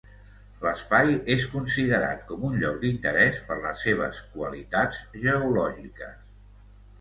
L'espai és considerat com un lloc d'interès per les seves qualitats geològiques.